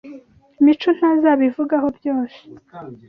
Mico ntazabivugaho byose.